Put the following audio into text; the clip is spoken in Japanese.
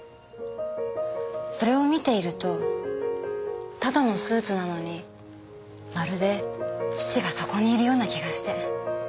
それを見ているとただのスーツなのにまるで父がそこにいるような気がして。